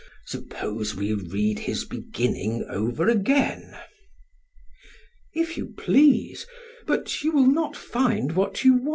Suppose we read his beginning over again: PHAEDRUS: If you please; but you will not find what you want.